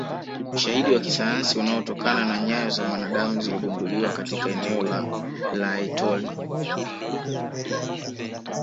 Ushahidi wa kisayansi unatokana na nyayo za mwanadamu zilizogunduliwa katika eneo la Laetoli